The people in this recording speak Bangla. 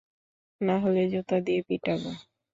নাহলে জুতা দিয়ে পিটাবো।